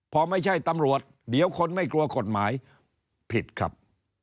พอไม่ใช่ตำรวจเดี๋ยวคนไม่กลัวกฎหมายผิดครับ